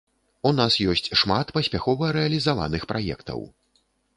У нас ёсць шмат паспяхова рэалізаваных праектаў.